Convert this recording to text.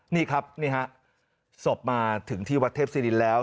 นี่ครับนี่ฮะศพมาถึงที่วัดเทพศิรินแล้ว